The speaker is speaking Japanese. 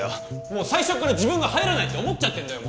もう最初っから自分が入らないって思っちゃってんだよ